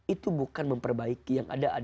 itu bukan memperbaiki yang lainnya ya kan